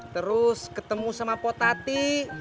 terus ketemu sama potati